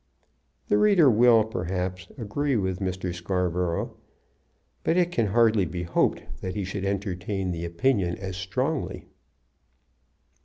The reader will, perhaps, agree with Mr. Scarborough, but it can hardly be hoped that he should entertain the opinion as strongly.